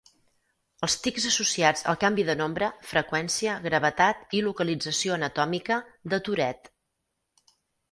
Els tics associats al canvi de nombre, freqüència, gravetat i localització anatòmica de Tourette.